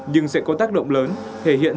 nhưng sẽ có tác động lớn thể hiện